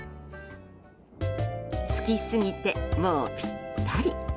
好きすぎて、もうぴったり！